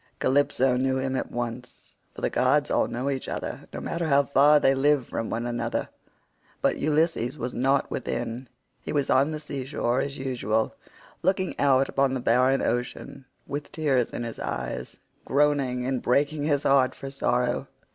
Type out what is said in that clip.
Calypso knew him at once—for the gods all know each other, no matter how far they live from one another—but Ulysses was not within; he was on the sea shore as usual, looking out upon the barren ocean with tears in his eyes, groaning and breaking his heart for sorrow.